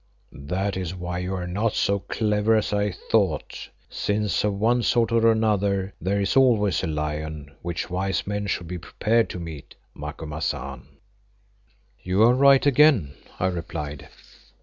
"That is why you are not so clever as I thought, since of one sort or another there is always a lion which wise men should be prepared to meet, Macumazahn." "You are right again," I replied.